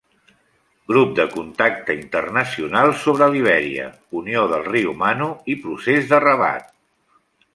Grup de Contacte Internacional sobre Libèria, Unió del Riu Mano i Procés de Rabat.